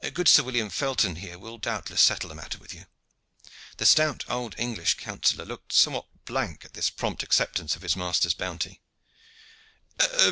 Good Sir William Felton, here, will doubtless settle the matter with you." The stout old English counsellor looked somewhat blank at this prompt acceptance of his master's bounty.